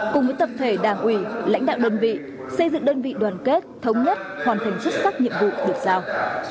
cùng với tập thể đảng ủy lãnh đạo đơn vị xây dựng đơn vị đoàn kết thống nhất hoàn thành xuất sắc nhiệm vụ được giao